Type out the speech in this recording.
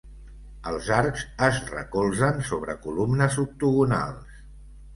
Els arcs es recolzen sobre columnes octogonals.